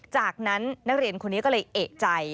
จากนั้นนักเรียนคนนี้ก็เลยเอกใจ